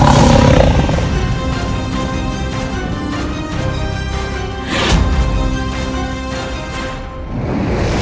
kau bisa menjadi pimpinan seperti ini